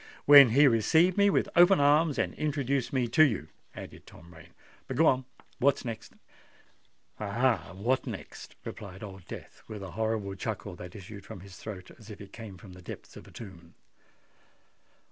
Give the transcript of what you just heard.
"When he received me with open arms, and introduced me to you," added Tom Rain. "But go on: what next?" "Ah! what next?" replied Old Death, with a horrible chuckle that issued from his throat as if it come from the depths of a tomb.